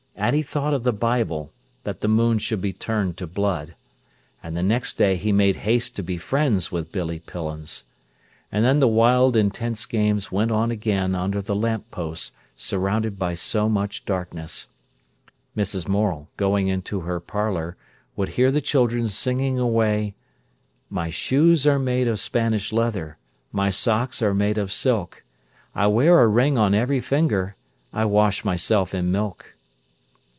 And he thought of the Bible, that the moon should be turned to blood. And the next day he made haste to be friends with Billy Pillins. And then the wild, intense games went on again under the lamp post, surrounded by so much darkness. Mrs. Morel, going into her parlour, would hear the children singing away: "My shoes are made of Spanish leather, My socks are made of silk; I wear a ring on every finger, I wash myself in milk."